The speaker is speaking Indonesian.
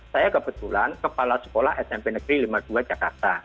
saya kebetulan kepala sekolah smp negeri lima puluh dua jakarta